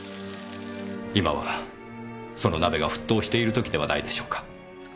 今はその鍋が沸騰している時ではないでしょうか。